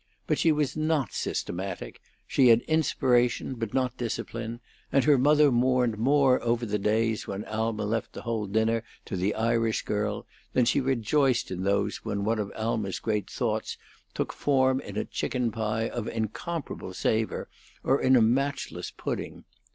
But she was not systematic; she had inspiration but not discipline, and her mother mourned more over the days when Alma left the whole dinner to the Irish girl than she rejoiced in those when one of Alma's great thoughts took form in a chicken pie of incomparable savor or in a matchless pudding.